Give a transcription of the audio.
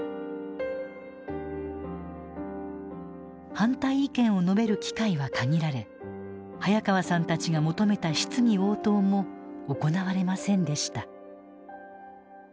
反対意見を述べる機会は限られ早川さんたちが求めた質疑応答も行われませんでした。